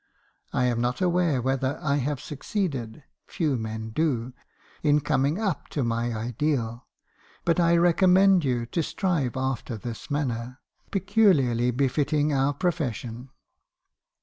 I am not aware whether I have succeeded (few men do) in coming up to my ideal; but I recommend you to strive after this manner, peculiarly befitting our profession.